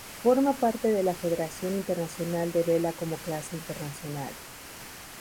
Forma parte de la Federación Internacional de Vela como clase internacional.